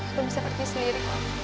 rum seperti sendiri bang